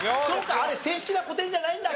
あれ正式な古典じゃないんだっけ？